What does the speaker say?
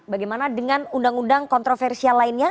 bagaimana dengan undang undang kontroversial lainnya